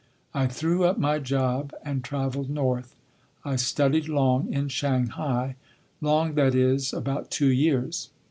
I threw up my job and travelled north. I studied long in Shanghai. Long—that is, about two years.